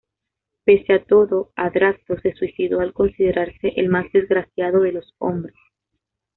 Pese a todo, Adrasto se suicidó al considerarse el más desgraciado de los hombres.